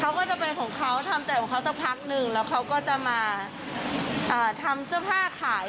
เขาก็จะเป็นของเขาทำใจของเขาสักพักนึงแล้วเขาก็จะมาทำเสื้อผ้าขาย